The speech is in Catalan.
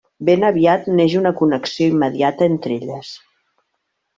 Ben aviat, neix una connexió immediata entre elles.